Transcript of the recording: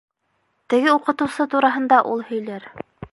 Теге уҡытыусы тураһында ул һөйләр.